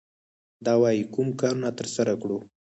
دا وايي کوم کارونه ترسره کړو.